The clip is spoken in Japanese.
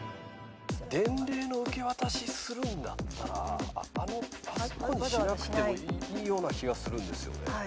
伝令の受け渡しするんだったらあそこにしなくてもいいような気がするんですよね。